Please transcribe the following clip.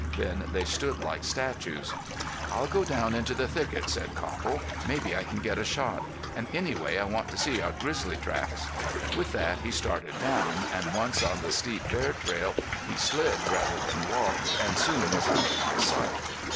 Then they stood like statues. "I'll go down into the thicket," said Copple. "Maybe I can get a shot. An' anyway I want to see our grizzly's tracks." With that he started down, and once on the steep bear trail he slid rather than walked, and soon was out of my sight.